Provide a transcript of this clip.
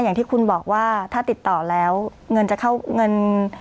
อย่างที่คุณบอกว่าถ้าติดต่อแล้วเงินจะเข้าเงิน